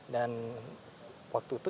dan waktu itu